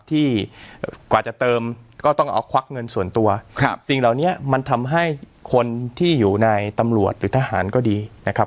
กว่าจะเติมก็ต้องเอาควักเงินส่วนตัวครับสิ่งเหล่านี้มันทำให้คนที่อยู่ในตำรวจหรือทหารก็ดีนะครับ